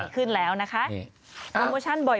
ขึ้นแล้วนะคะโปรโมชั่นบ่อย